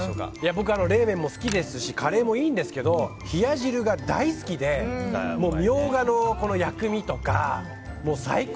僕、冷麺も好きですしカレーもいいんですけど冷や汁が大好きでミョウガの薬味とか最高！